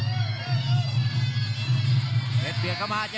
กรรมการเตือนทั้งคู่ครับ๖๖กิโลกรัม